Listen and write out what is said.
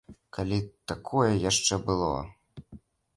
Калі такое яшчэ было?